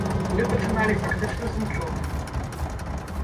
Мы пачыналі фактычна з нічога.